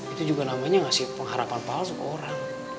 itu juga namanya ngasih pengharapan palsu ke orang